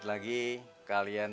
terima kasih pak